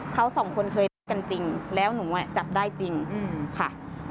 เขาสองคนเคยรักกันจริงแล้วหนูจับได้จริงค่ะ